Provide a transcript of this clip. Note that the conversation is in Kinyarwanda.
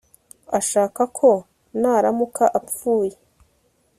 ashaka ko naramuka apfuye